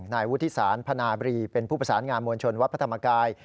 นายวุฒิศาลพนาบรีเป็นผู้ประสานงานมวลชนวัดพระธรรมกาย